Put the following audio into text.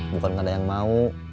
bukan nggak ada yang mau